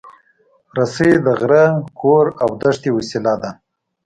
رسۍ د غره، کور، او دښتې وسیله ده.